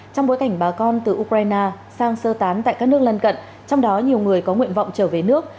trong bối cảnh bà con từ ukraine sang sơ tán tại các nước lân cận trong đó nhiều người có nguyện vọng trở về nước